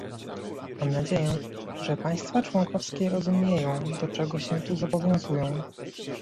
Mam nadzieję, że państwa członkowskie rozumieją, do czego się tu zobowiązują